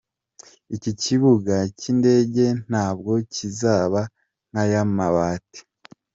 Iki kibuga cy’indege ntabwo kizaba ’nka ya mabati’.